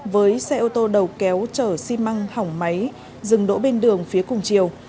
với xe ô tô đầu kéo chở xi măng hỏng máy dừng đỗ bên đường phía cùng chiều